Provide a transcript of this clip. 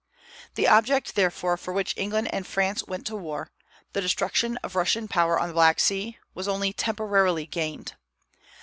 The object, therefore, for which England and France went to war the destruction of Russian power on the Black Sea was only temporarily gained.